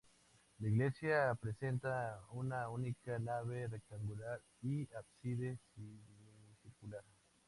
La iglesia presenta una única nave rectangular y ábside semicircular.